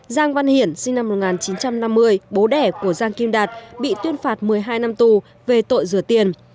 giang văn hiển sinh năm một nghìn chín trăm năm mươi bố đẻ của giang kim đạt bị tuyên phạt một mươi hai năm tù về tội rửa tiền